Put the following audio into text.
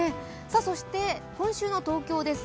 そして今週の東京です。